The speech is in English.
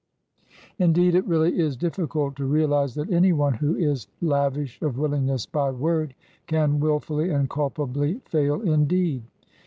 Indeed, it really is difficult to realize that any one who is lavish of willingness by word can wilfully and culpably fail in deed.